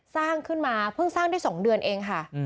สร้างขึ้นมาเพิ่งสร้างได้๒เดือนเองค่ะ